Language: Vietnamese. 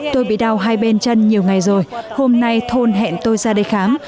tôi bị đau hai bên chân nhiều ngày rồi hôm nay thôn hẹn tôi ra đây khám